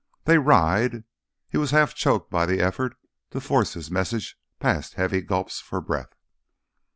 "They ride." He was half choked by the effort to force his message past heavy gulps for breath.